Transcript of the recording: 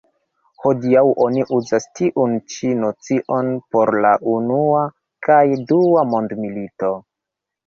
Hodiaŭ oni uzas tiun ĉi nocion por la unua kaj dua mondmilito.